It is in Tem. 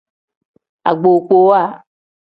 Agbokpowa.